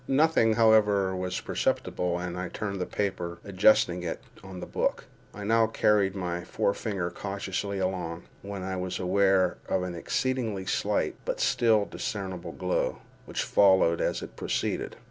Nothing, however, was perceptible, and I turned the paper, adjusting it on the book. I now again carried my forefinger cautiously along, when I was aware of an exceedingly slight, but still discernable glow, which followed as it proceeded.